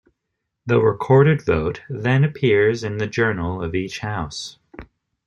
The recorded vote then appears in the journal of each house.